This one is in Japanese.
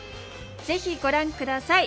ぜひご覧下さい！